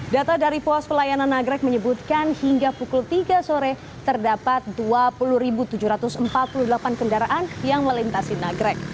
data dari pos pelayanan nagrek menyebutkan hingga pukul tiga sore terdapat dua puluh tujuh ratus empat puluh delapan kendaraan yang melintasi nagrek